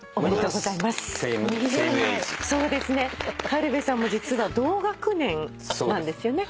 軽部さんも実は同学年なんですよね。